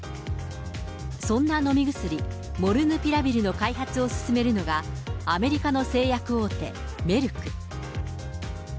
そんな飲み薬、モルヌピラビルの開発を進めるのが、アメリカの製薬大手、メルク。